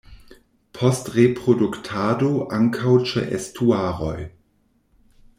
Post reproduktado ankaŭ ĉe estuaroj.